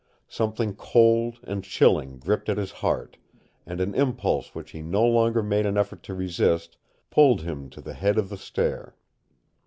Something cold and chilling gripped at his heart, and an impulse which he no longer made an effort to resist pulled him to the head of the stair.